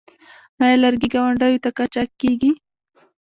آیا لرګي ګاونډیو ته قاچاق کیږي؟